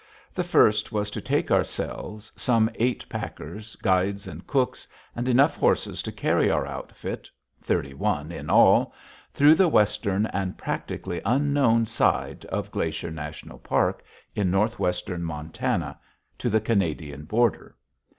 The first was to take ourselves, some eight packers, guides, and cooks, and enough horses to carry our outfit thirty one in all through the western and practically unknown side of Glacier National Park, in northwestern Montana, to the Canadian border.